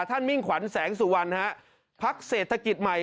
ท่านมิ่งขวัญแสงสู่วันฮะพักเศรษฐกิจใหม่